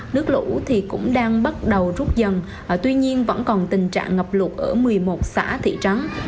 nước lũ thì cũng đang bắt đầu rút dần tuy nhiên vẫn còn tình trạng ngập lụt ở một mươi một xã thị trắng